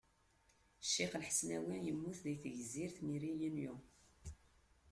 Ccix Lḥesnawi yemmut deg tegzirt n Réunion.